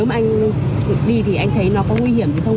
nếu mà anh đi thì anh thấy nó có nguy hiểm hay không